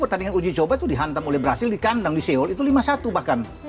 pertandingan uji coba itu dihantam oleh brazil di kandang di seoul itu lima satu bahkan